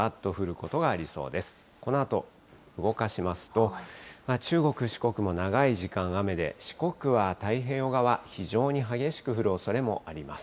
このあと動かしますと、中国、四国も長い時間雨で、四国は太平洋側、非常に激しく降るおそれもあります。